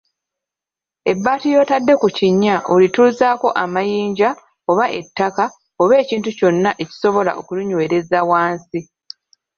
Ebbaati ly'otadde ku kinnya olituuzaako amayinja oba ettaka oba ekintu kyonna ekisobola okulinywereza wansi.